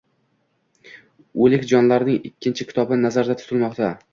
O’lik jonlarning ikkinchi kitobi nazarda tutilmoqda.